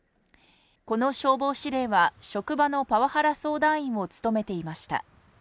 この消防司令は職場のパワハラ相談員を務めていました。